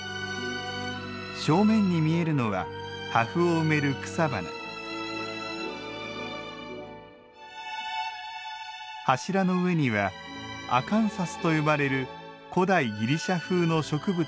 正面に見えるのは破風を埋める草花柱の上にはアカンサスと呼ばれる古代ギリシャ風の植物の葉。